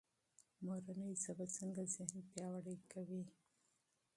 مورنۍ ژبه څنګه ذهن پیاوړی کوي؟